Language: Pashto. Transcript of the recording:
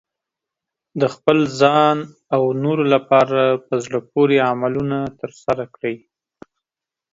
د خپل ځان او نورو لپاره په زړه پورې عملونه ترسره کړئ.